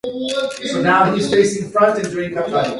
The game is divided into two modes.